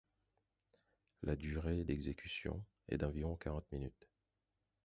La durée d'exécution est d'environ quarante minutes.